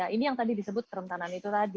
ini yang tadi disebut kerentanan itu tadi